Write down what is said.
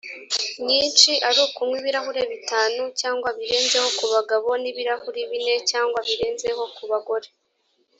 nyinshi ari ukunywa ibirahuri bitanu cyangwa birenzeho ku bagabo n’ibirahuri bine cyangwa birenzeho ku bagore